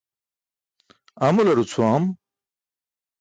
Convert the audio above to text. Amular ucʰuwam.